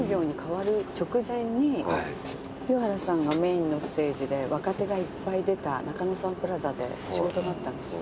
湯原さんがメインのステージで若手がいっぱい出た中野サンプラザで仕事があったんですよ。